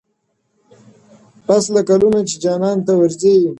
پسله كلونه چي جانان تـه ورځـي.